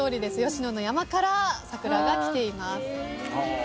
吉野の山から桜がきています。